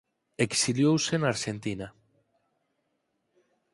Exiliouse na Arxentina.